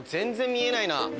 見えない。